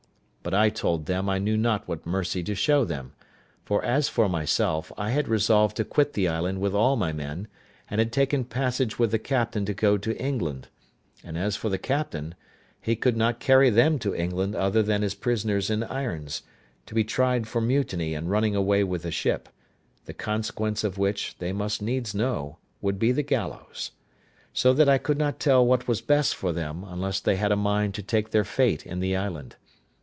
But I told them I knew not what mercy to show them; for as for myself, I had resolved to quit the island with all my men, and had taken passage with the captain to go to England; and as for the captain, he could not carry them to England other than as prisoners in irons, to be tried for mutiny and running away with the ship; the consequence of which, they must needs know, would be the gallows; so that I could not tell what was best for them, unless they had a mind to take their fate in the island.